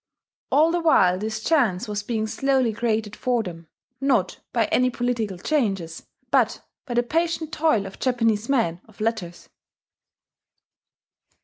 All the while this chance was being slowly created for them not by any political changes, but by the patient toil of Japanese men of letters.